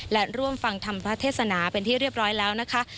และร่วมฟังธรรมพระเทศนาเป็นที่เรียบร้อยแล้วนะคะ